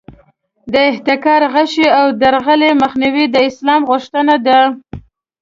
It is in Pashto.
د احتکار، غش او درغلۍ مخنیوی د اسلام غوښتنه ده.